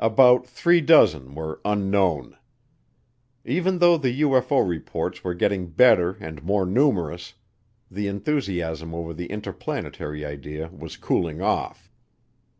About three dozen were "Unknown." Even though the UFO reports were getting better and more numerous, the enthusiasm over the interplanetary idea was cooling off.